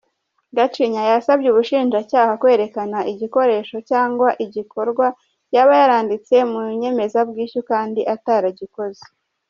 Gacinya yasabye ubushinjacyaha kwerekana igikoresho cyangwa igikorwa yaba yaranditse mu nyemezabwishyu kandi ataragikoze.